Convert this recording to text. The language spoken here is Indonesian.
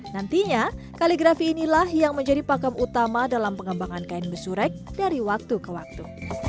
nantinya kaligrafi inilah yang menjadi pakem utama dalam pengembangan kain besurek dari waktu ke waktu